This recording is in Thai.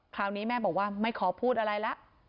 คราวนี้แม่บอกว่าไม่ขอพูดอะไรแล้ว